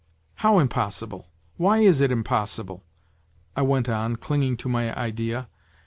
" How impossible why is it impossible ?" I went on, clinging to my idea.